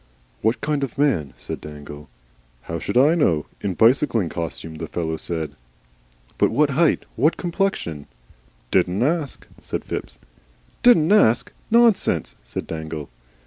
"What kind of man?" said Dangle. "How should I know? in bicycling costume, the fellow said." "But what height? What complexion?" "Didn't ask," said Phipps. "DIDN'T ASK! Nonsense," said Dangle.